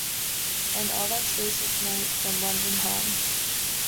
And all that space of night from London home!